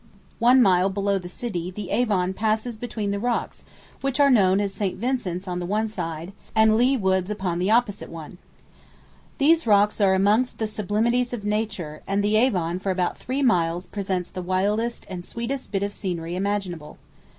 One mile below the city the Avon passes between the rocks which are known as St. Vincent's on the one side, and Leigh Woods upon the opposite one. These rocks are amongst the sublimities of nature, and the Avon for about three miles presents the wildest and sweetest bit of scenery imaginable.